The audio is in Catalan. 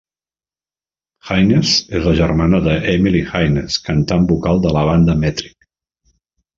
Haines és la germana d'Emily Haines, cantant vocal de la banda Metric.